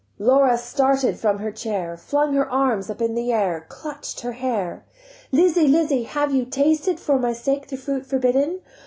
Laura started from her chair, Flung her arms up in the air, Clutch'd her hair: "Lizzie, Lizzie, have you tasted For my sake the fruit forbidden?